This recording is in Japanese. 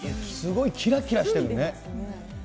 すごいきらきらしてるね。